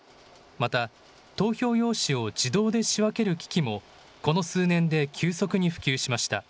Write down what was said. また、投票用紙を自動で仕分ける機器もこの数年で急速に普及しました。